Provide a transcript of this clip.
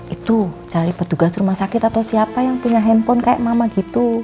itu cari petugas rumah sakit atau siapa yang punya handphone kayak mama gitu